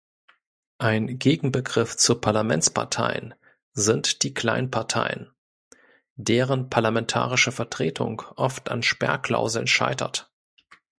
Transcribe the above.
Ein Gegenbegriff zu Parlamentsparteien sind die Kleinparteien, deren parlamentarische Vertretung oft an Sperrklauseln scheitert.